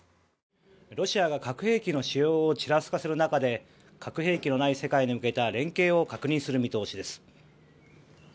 ロシアが核兵器の使用をちらつかせる中で核兵器のない世界に向けた連携を確認する見通しです。